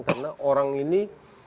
karena orang ini